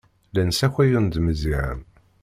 Llan ssakayen-d Meẓyan.